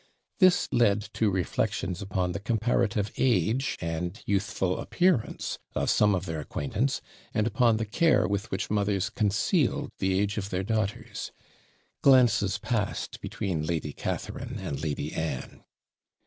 This led to reflections upon the comparative age and youthful appearance of several of their acquaintance, and upon the care with which mothers concealed the age of their daughters. Glances passed between Lady Catharine and Lady Anne.